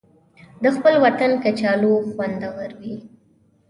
د خپل وطن کچالو خوندور وي